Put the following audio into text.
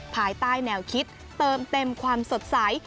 ภายใต้แนวคิดเติมเต็มความสดใส